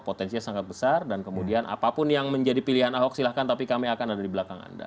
potensinya sangat besar dan kemudian apapun yang menjadi pilihan ahok silahkan tapi kami akan ada di belakang anda